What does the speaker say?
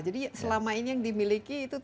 jadi selama ini yang dimiliki itu sama sekali